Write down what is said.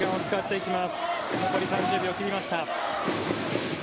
残り３０秒を切りました。